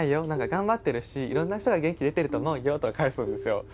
頑張ってるしいろんな人が元気出てると思うよ」とか返すんですよ。